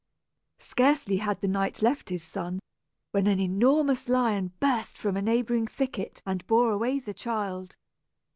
Scarcely had the knight left his son, when an enormous lion burst from a neighboring thicket and bore away the child.